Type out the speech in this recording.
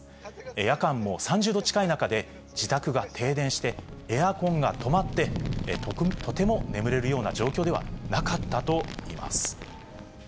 夜間も３０度近い中で自宅が停電して、エアコンが止まって、とても眠れるような状況でなかったといいます。